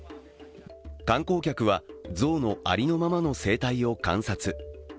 観光客は、ゾウのありのままの生態を観察。